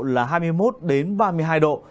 là hai mươi một ba mươi hai độ